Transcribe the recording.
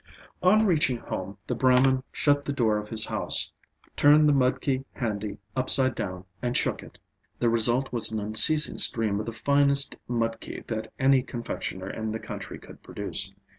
On reaching home the Brahman shut the door of his house, turned the mudki handi upside down, and shook it; the result was an unceasing stream of the finest mudki that any confectioner in the country could produce.